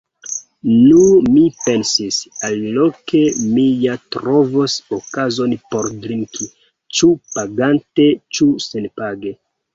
Nu mi pensis, aliloke mi ja trovos okazon por trinki, ĉu pagante ĉu senpage.